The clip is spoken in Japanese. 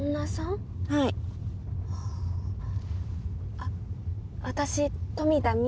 あっ私富田望